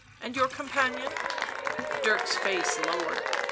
" And your companion?" Dirk's face lowered.